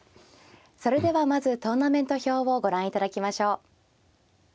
それではまずトーナメント表をご覧いただきましょう。